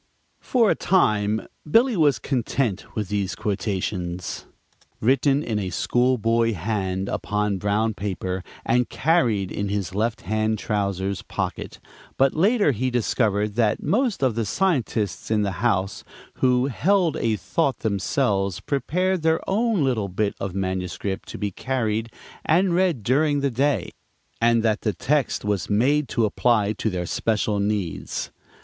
For a time Billy was content with these quotations, written in a school boy hand upon brown paper, and carried in his left hand trousers pocket, but later he discovered that most of the scientists in the house who "held a thought" themselves prepared their own little bit of manuscript to be carried and read during the day, and that the text was made to apply to their special needs.